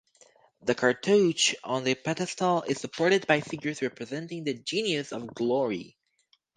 The cartouche on the pedestal is supported by figures representing the genius of Glory.